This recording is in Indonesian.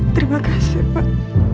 terima kasih pak